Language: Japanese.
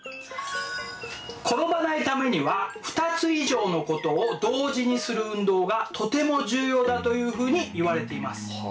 転ばないためには２つ以上のことを同時にする運動がとても重要だというふうにいわれています。